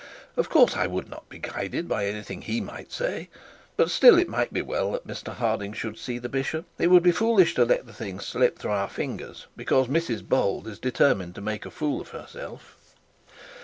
Of course I would not be guided by anything he might say; but still it may be well that Mr Harding should see the bishop. It would be foolish to let the thing slip through our fingers because Mrs Bold is determined to make a fool of herself.'